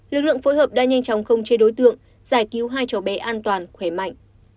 lực lượng phối hợp đã nhanh chóng khống chế đối tượng giải cứu hai cháu bé an toàn khỏe mạnh